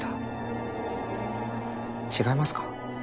違いますか？